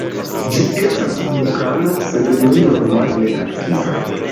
Ĝi estas vulkano, sed nun normale ne aktiva.